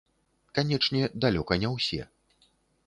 Канечне, далёка не ўсе.